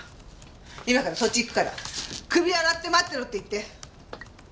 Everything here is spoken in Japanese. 今からそっち行くから首洗って待ってろって言って。